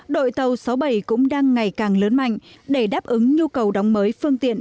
đội tàu sáu mươi bảy cũng đang ngày càng lớn mạnh để đáp ứng nhu cầu đóng mới phương tiện